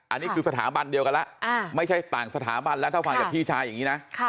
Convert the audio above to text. อันนี้คือสถาบันเดียวกันแล้วไม่ใช่ต่างสถาบันแล้วถ้าฟังจากพี่ชายอย่างนี้นะ